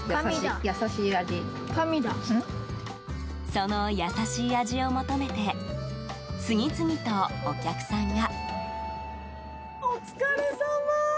その優しい味を求めて次々とお客さんが。